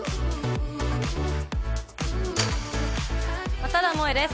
和多田萌衣です。